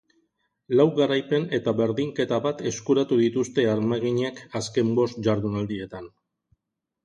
Lau garaipen eta berdinketa bat eskuratu dituzte armaginek azken bost jardunaldietan.